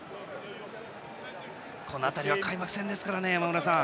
この辺りは開幕戦ですからね山村さん。